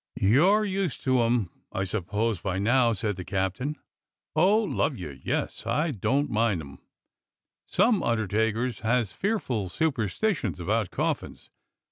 "You are used to 'em, I suppose, by now.^" said the captain. "Oh, love you, yes, I don't mind 'em. Some under takers has fearful superstitions about coffins.